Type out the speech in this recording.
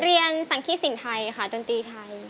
เรียนสังขิสินไทยค่ะดนตรีไทย